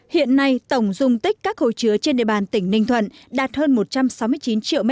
hiện nay tổng dung tích các hồ chứa trên địa bàn tỉnh ninh thuận đạt hơn một trăm sáu mươi chín triệu m hai